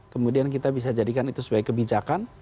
kemudian kita bisa jadikan itu sebagai kebijakan